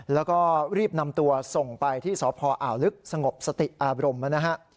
แล้วก็รีบนำตัวส่งไปที่สพอ่าวลึกสงบสติอารมณ์นะฮะ